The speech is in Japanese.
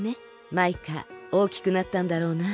マイカおおきくなったんだろうなあ。